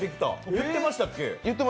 言ってましたっけ？